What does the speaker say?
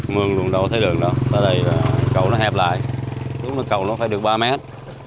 mưa luôn đâu thấy đường đó tại đây cầu nó hẹp lại lúc đó cầu nó phải được ba mét